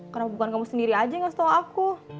kenapa bukan kamu sendiri aja yang ngasih tau aku